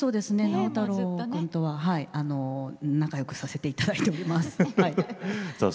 直太朗君とは仲よくさせていただいてます。